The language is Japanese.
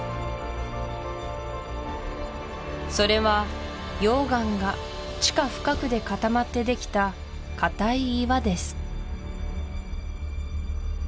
それは溶岩が地下深くで固まってできた硬い岩です